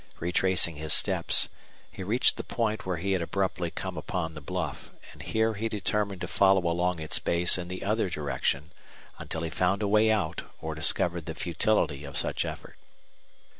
Retracing his steps, he reached the point where he had abruptly come upon the bluff, and here he determined to follow along its base in the other direction until he found a way out or discovered the futility of such effort.